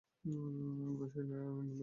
অথচ সে নিমজ্জিত হলো।